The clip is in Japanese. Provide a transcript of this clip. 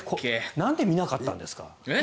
なんで見なかったんですか？